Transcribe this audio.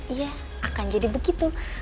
iya akan jadi begitu